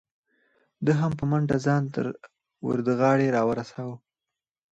ده هم په منډه ځان تر وردغاړې را ورسو.